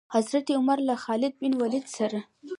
حضرت عمر له خالد بن ولید سره.